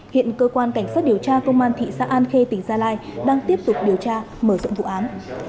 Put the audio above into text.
hiện cơ quan cảnh sát điều tra công an thị xã an khê tỉnh gia lai đang tiếp tục điều tra mở rộng vụ án